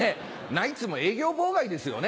ナイツも営業妨害ですよね。